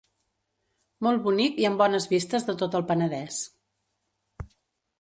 Molt bonic i amb bones vistes de tot el Penedès.